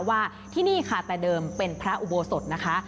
ว่าที่นี่ค่ะแต่เดิมเป็นพระอุโบสถนะคะ